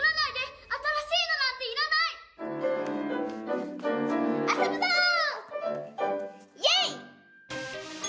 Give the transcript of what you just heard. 新しいのなんていらない！遊ぶぞ！